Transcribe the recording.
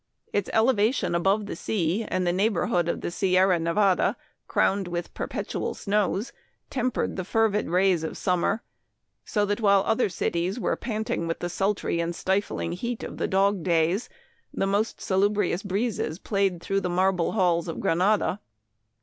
Its elevation above the sea, and the neighborhood of the Sierra Nevada crowned with perpetual snows, tempered the fervid rays of summer, so that while other cities were panting with the sultry and stifling heat of the dog days, the most salubrious breezes played through the marble halls of Granada.